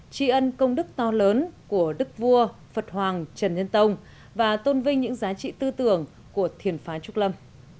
tri ân công đức to lớn của đức vua phật hoàng trần nhân tông và tôn vinh những giá trị tư tưởng của thiền phái trúc lâm